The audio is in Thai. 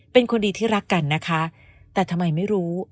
เป็นคนดีที่รักกันนะคะแต่ทำไมไม่รู้